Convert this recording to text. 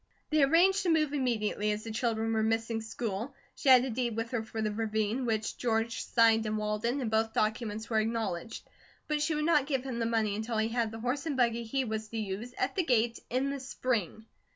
They arranged to move immediately, as the children were missing school. She had a deed with her for the ravine, which George signed in Walden, and both documents were acknowledged; but she would not give him the money until he had the horse and buggy he was to use, at the gate, in the spring.